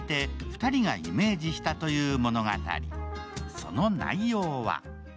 その内容は？